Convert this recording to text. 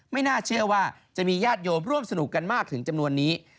ไม่น่าเชื่อว่าจะมีญาติโยมร่วมสนุกกันมากถึงจำนวนนี้